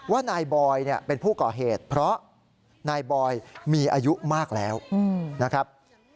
ว่านายบอยเป็นผู้ก่อเหตุเพราะนายบอยมีอายุมากแล้วนะครับ